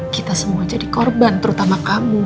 kita semua jadi korban terutama kamu